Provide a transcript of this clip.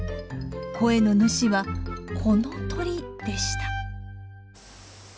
声の主はこの鳥でした。